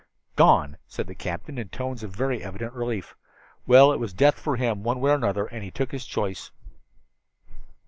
"Gone," said the captain in tones of very evident relief. "Well, it was death for him, one way or another, and he took his choice."